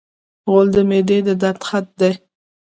غول د معدې د درد خط دی.